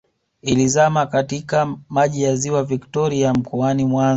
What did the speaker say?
Ilizama katika Maji ya Ziwa Victoria mkoani Mwanza